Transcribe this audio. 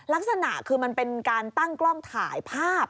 ลักษณะคือมันเป็นการตั้งกล้องถ่ายภาพ